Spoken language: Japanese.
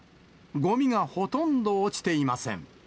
ごみがほとんど落ちていません。